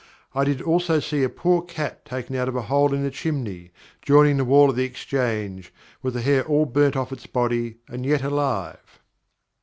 I did also see a poor cat taken out of a hole in a chimney, joining the wall of the Exchange, with the hair all burned off its body and yet alive."